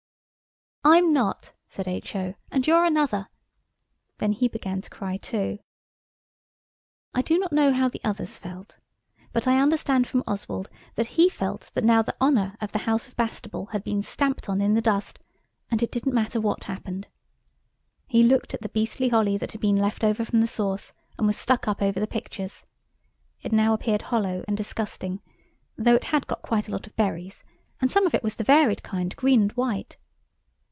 "I'm not," said H.O.; "and you're another." Then he began to cry too. I do not know how the others felt, but I understand from Oswald that he felt that now the honour of the house of Bastable had been stamped on in the dust, and it didn't matter what happened. He looked at the beastly holly that had been left over from the sauce and was stuck up over the pictures. It now appeared hollow and disgusting, though it had got quite a lot of berries, and some of it was the varied kind–green and white.